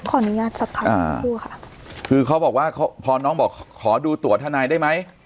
ขออนุญาตสักครั้งสักครู่ค่ะคือเขาบอกว่าพอน้องบอกขอดูตัวทนายได้ไหม